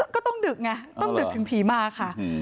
ก็ต้องดึกไงต้องดึกถึงผีมาค่ะ